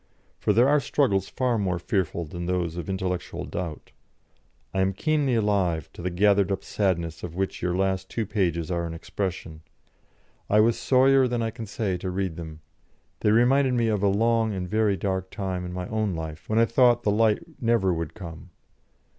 For there are struggles far more fearful than those of intellectual doubt. I am keenly alive to the gathered up sadness of which your last two pages are an expression. I was sorrier than I can say to read them. They reminded me of a long and very dark time in my own life, when I thought the light never would come.